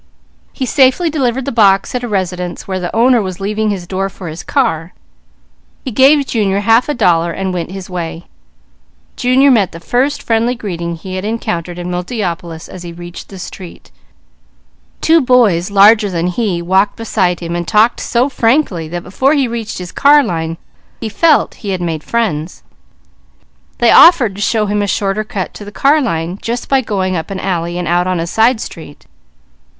He safely delivered the box at a residence where the owner was leaving his door for his car. He gave Junior half a dollar. Junior met the first friendly greeting he had encountered in Multiopolis, as he reached the street. Two boys larger than he walked beside him and talked so frankly, that before he reached his car line, he felt he had made friends. They offered to show him a shorter cut to the car line just by going up an alley and out on a side street.